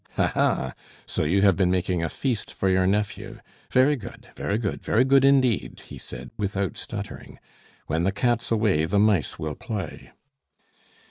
"Ha! ha! so you have been making a feast for your nephew; very good, very good, very good indeed!" he said, without stuttering. "When the cat's away, the mice will play."